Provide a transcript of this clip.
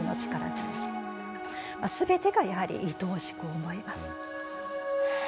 全てがやはりいとおしく思います。